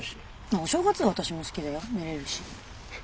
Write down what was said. あっお正月は私も好きだよ寝れるし。